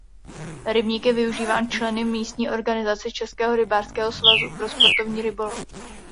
Rybník je využíván členy místní organizace Českého rybářského svazu pro sportovní rybolov.